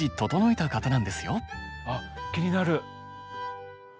あっ気になる！